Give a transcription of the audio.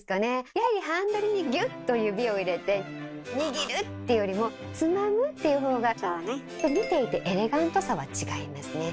やはりハンドルにギュッと指を入れて「握る」っていうよりも「つまむ」っていうほうが見ていてエレガントさは違いますね。